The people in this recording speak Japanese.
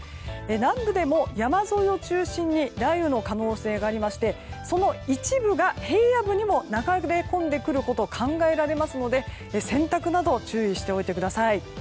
南部でも山沿いを中心に雷雨の可能性がありましてその一部が平野部にも流れ込んでくることが考えられますので洗濯など注意しておいてください。